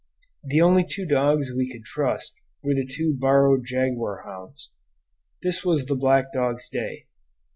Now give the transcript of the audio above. The only two dogs we could trust were the two borrowed jaguar hounds. This was the black dog's day.